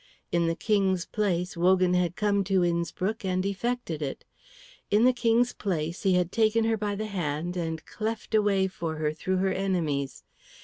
In the King's place, Wogan had come to Innspruck and effected it. In the King's place, he had taken her by the hand and cleft a way for her through her enemies.